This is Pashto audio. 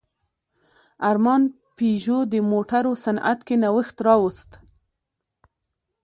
ارمان پيژو د موټرو صنعت کې نوښت راوست.